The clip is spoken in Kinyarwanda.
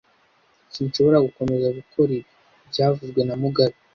Sinshobora gukomeza gukora ibi byavuzwe na mugabe